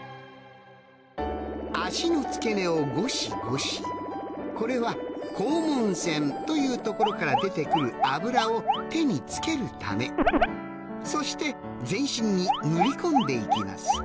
足の付け根をゴシゴシこれは肛門腺というところから出て来る脂を手に付けるためそして全身に塗り込んで行きます